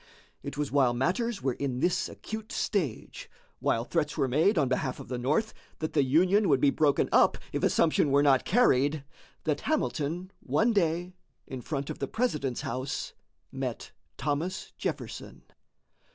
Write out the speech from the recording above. It was while matters were in this acute stage, while threats were made on behalf of the North that the Union would be broken up if assumption were not carried, that Hamilton one day in front of the President's house met Thomas Jefferson.